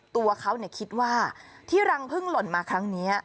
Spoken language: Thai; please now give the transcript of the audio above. ตัวเขาคิดว่าที่รังพึ่งหล่นมาครั้งนี้